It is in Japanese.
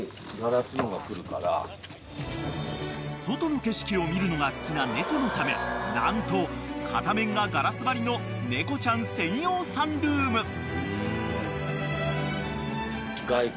［外の景色を見るのが好きな猫のため何と片面がガラス張りの猫ちゃん専用サンルーム］